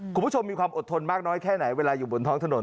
คุณผู้ชมมีความอดทนมากน้อยแค่ไหนเวลาอยู่บนท้องถนน